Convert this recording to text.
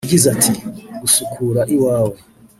yagize ati “Gusukura iwawe